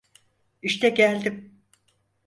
İşte geldim.